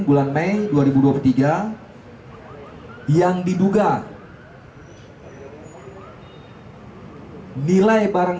dari hasil pemeriksaan laboratorium obat dan suplemen palsu ini dapat membahayakan ginjal hati bahkan bisa menyebabkan kematian